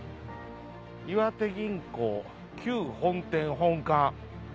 「岩手銀行旧本店本館」。